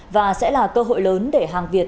và sẽ là cơ hội lớn để hàng việt